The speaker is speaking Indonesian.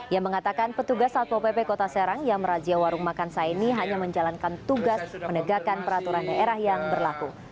yang mengatakan petugas satpo pp kota serang yang merajia warung makan saini hanya menjalankan tugas menegakkan peraturan daerah yang berlaku